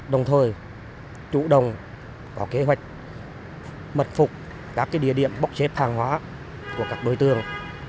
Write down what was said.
đồng thời chủ động có kế hoạch mật phục các địa điểm bốc xếp hàng hóa của các đối tượng